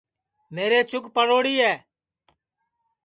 میرے چُک پڑوڑی ہے